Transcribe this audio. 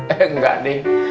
eh enggak deh